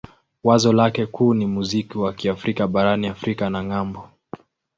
Wazo lake kuu ni muziki wa Kiafrika barani Afrika na ng'ambo.